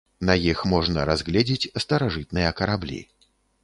На іх можна разгледзець старажытныя караблі.